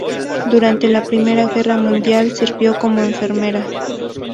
Durante la Primera Guerra Mundial sirvió como enfermera.